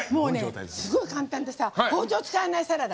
すごい簡単で包丁を使わないサラダ。